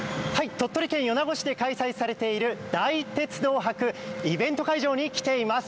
鳥取県米子市で開催されている大鉄道博イベント会場に来ています。